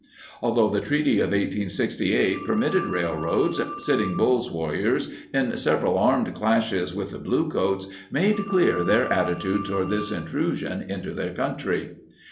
Although the Treaty of 1868 permitted rail roads, Sitting Bull's warriors, in several armed clashes with the bluecoats, made clear their attitude toward this intrusion into their country.